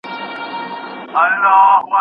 په لاس خط لیکل د ذهن او بدن ترمنځ پول جوړوي.